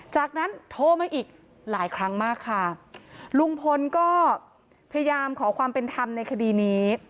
จากนั้นโทรมาอีกหลายครั้งมากค่ะลุงพลก็พยายามขอความเป็นธรรมในคดีนี้